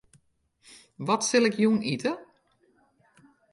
Wat sil ik jûn ite?